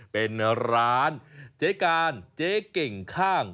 เป็นร้านเจ๊การเจ๊เก่งข้าง